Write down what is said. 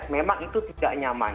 memang itu tidak nyaman